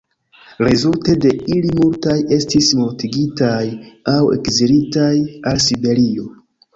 Rezulte de ili multaj estis mortigitaj aŭ ekzilitaj al Siberio.